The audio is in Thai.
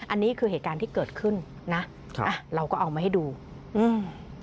อันนี้คือเหตุการณ์ที่เกิดขึ้นนะครับอ่ะเราก็เอามาให้ดูอืม